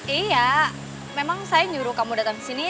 iya memang saya nyuruh kamu datang kesini